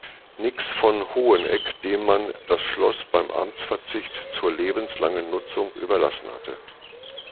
Nix von Hoheneck, dem man das Schloss beim Amtsverzicht zur lebenslangen Nutzung überlassen hatte.